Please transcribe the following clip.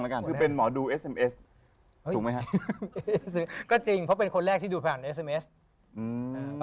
ฉันถึงว่าศิลปินบอนดีแซลมนะ